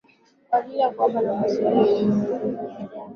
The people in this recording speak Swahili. Kwa ajili ya kuwapa nafasi wale wenye uwezo wa kughani